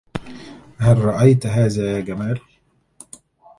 هل رأيت هذا يا جمال؟